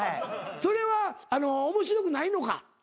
それは面白くないのか？